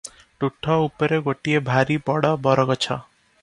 ତୁଠ ଉପରେ ଗୋଟିଏ ଭାରି ବଡ଼ ବରଗଛ ।